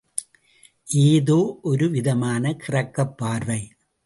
ஏதோ ஒருவிதமான கிறக்கப் பார்வை.